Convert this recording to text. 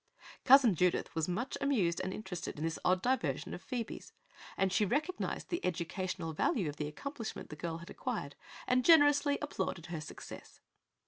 Cousin Judith was much amused and interested in this odd diversion of Phoebe's, and she recognized the educational value of the accomplishment the girl had acquired and generously applauded her success.